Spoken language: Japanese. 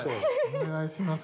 お願いします。